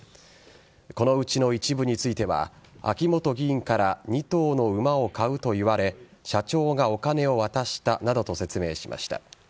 このうちの一部については秋本議員から２頭の馬を買うと言われ社長がお金を渡したなどと説明しました。